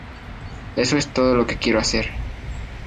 Eso es todo lo que quiero hacer.